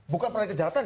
bukan peran kejahatan ya